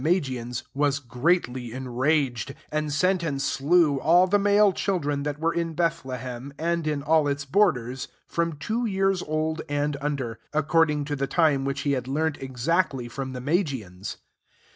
Ma* giane^ wom greatly enraged ; and aent and slevt all the male children thai were in Bethlehen^^ and in all its border^i from two year% old and tmder^ according to the time which he had learnt exactly from the Magiang.